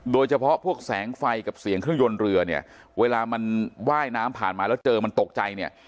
โดยเฉพาะพวกแสงไฟกับเสียงเครื่องยนต์เรือเนี่ยเวลามันว่ายน้ำผ่านมาแล้วเจอมันตกใจเนี่ย